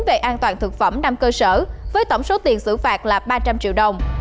về an toàn thực phẩm năm cơ sở với tổng số tiền xử phạt là ba trăm linh triệu đồng